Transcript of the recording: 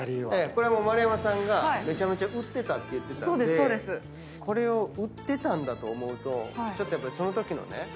これは丸山さんがめちゃめちゃ売ってたって言ってたんでこれを売ってたんだと思うとやっぱりそのときのね。